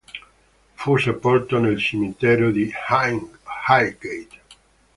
Fu sepolto nel Cimitero di Highgate.